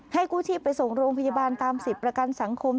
กู้ชีพไปส่งโรงพยาบาลตามสิทธิ์ประกันสังคม